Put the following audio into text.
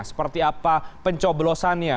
seperti apa pencoblosannya